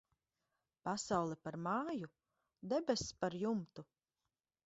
Pasaule par māju, debess par jumtu.